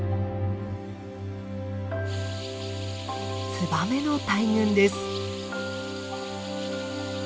ツバメの大群です。